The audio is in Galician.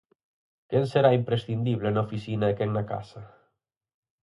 Quen será imprescindible na oficina e quen na casa?